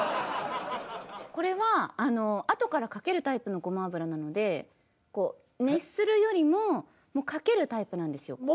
これはあのあとからかけるタイプのごま油なので熱するよりもかけるタイプなんですよ。